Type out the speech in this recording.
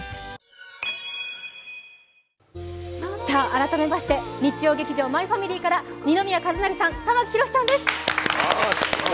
改めまして日曜劇場「マイファミリー」から二宮和也さん、玉木宏さんです。